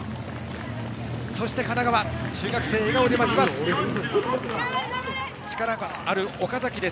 そして神奈川中学生が笑顔で待ちます。